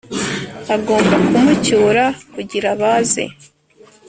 agomba kumucyura kugira baze